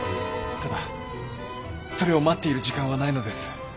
ただそれを待っている時間はないのです。